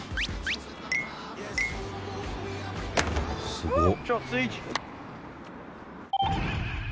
すごっ。